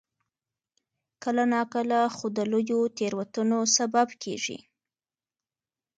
کله ناکله خو د لویو تېروتنو سبب کېږي.